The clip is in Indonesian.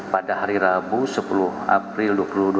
pada hari rabu sepuluh april dua ribu dua puluh